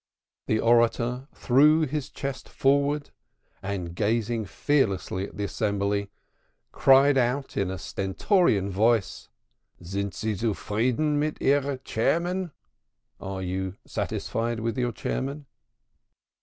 The orator threw his chest forwards and gazing fearlessly at the assembly cried in a stentorian voice: "Sind sie zufrieden mit ihrer Chairman?" (Are you satisfied with your chairman?)